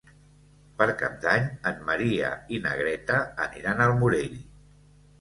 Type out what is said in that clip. Per Cap d'Any en Maria i na Greta aniran al Morell.